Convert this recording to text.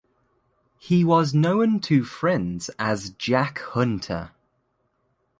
He was known to friends as Jack Hunter.